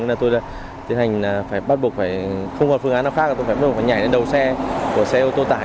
nên tôi tiến hành phải bắt buộc phải không có phương án nào khác tôi phải bắt buộc phải nhảy lên đầu xe của xe ô tô tải